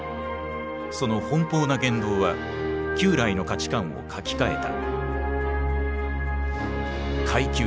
その奔放な言動は旧来の価値観を書き換えた。